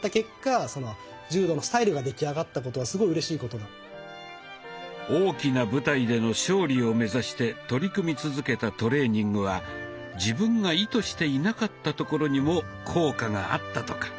そもそも僕がその柔道で大きな舞台での勝利を目指して取り組み続けたトレーニングは自分が意図していなかったところにも効果があったとか。